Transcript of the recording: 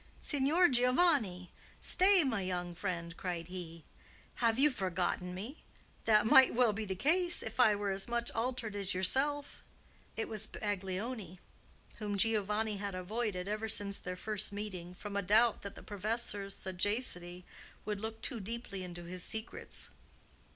"Signor Giovanni! Stay, my young friend!" cried he. "Have you forgotten me? That might well be the case if I were as much altered as yourself." It was Baglioni, whom Giovanni had avoided ever since their first meeting, from a doubt that the professor's sagacity would look too deeply into his secrets.